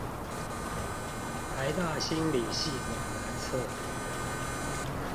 臺大心理系館南側